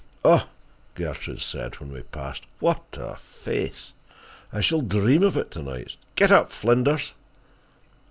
"Ugh!" Gertrude said, when we had passed, "what a face! I shall dream of it to night. Get up, Flinders."